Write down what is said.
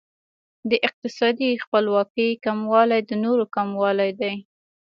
د اقتصادي خپلواکۍ کموالی د نورو کموالی دی.